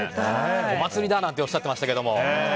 お祭りだなんておっしゃってましたけど。